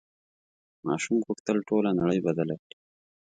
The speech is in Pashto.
ماشوم غوښتل ټوله نړۍ بدله کړي.